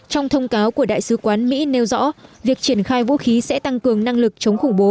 trong thông cáo của đại sứ quán mỹ nêu rõ việc triển khai vũ khí sẽ tăng cường năng lực chống khủng bố